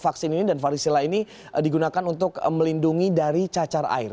vaksin ini dan varicella ini digunakan untuk melindungi dari cacar air